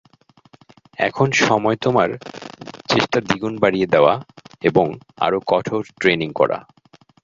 এখন সময় তোমার চেষ্টা দ্বিগুণ বাড়িয়ে দেওয়া এবং আরো কঠোর ট্রেনিং করা।